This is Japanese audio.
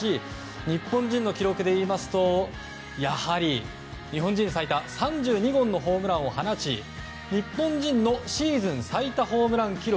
日本人の記録でいいますとやはり日本人最多３２本のホームランを放ち日本人のシーズン最多ホームラン記録